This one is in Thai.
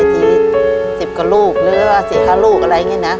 ทีสิบก็ลูกหรือว่าสี่ห้าลูกอะไรอย่างนี้นะ